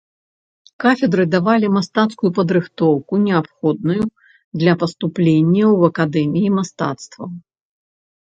Кафедры давалі мастацкую падрыхтоўку, неабходную для паступлення ў акадэміі мастацтваў.